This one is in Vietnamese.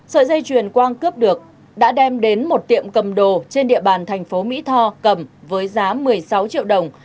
sợi dây chuyền quang cướp được đã đem đến một tiệm cầm đồ trên địa bàn thành phố mỹ tho cầm với giá một mươi sáu triệu đồng